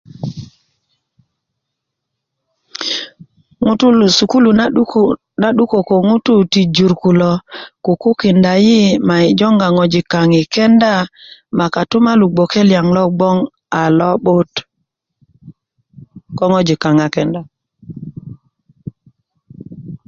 ŋutulu sukulu na 'dukö na 'duko ko ŋutuu ti jur kulo kukukinda yi' ama yi' joŋga ŋwajik kaŋ yi kenda ma kotumolu gboke liyaŋ lo gboŋ s lo'but ko ŋwajik kaŋ a kenda